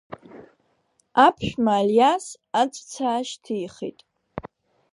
Аԥшәма Алиас аҵәца аашьҭихит.